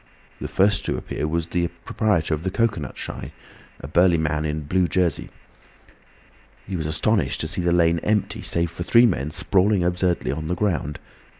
The first to appear was the proprietor of the cocoanut shy, a burly man in a blue jersey. He was astonished to see the lane empty save for three men sprawling absurdly on the ground.